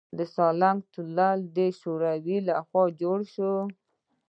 د سالنګ تونل د شوروي لخوا جوړ شو